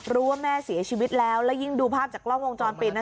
แม่เสียชีวิตแล้วแล้วยิ่งดูภาพจากกล้องวงจรปิด